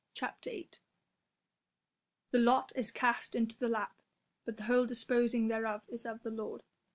CHAPTER VIII "The lot is cast into the lap, but the whole disposing thereof is of the Lord."